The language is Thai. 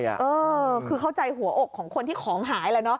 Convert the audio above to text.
เออคือเข้าใจหัวอกของคนที่ของหายแล้วเนอ